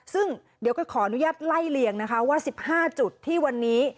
ซึ่งเดี๋ยวก็ขออนุญาตไล่เลี่ยงนะคะว่า๑๕จุดที่วันนี้